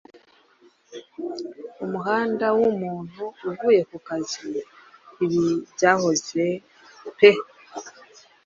Umuhanda wumuntu uvuye kukazi ibi byahoze pe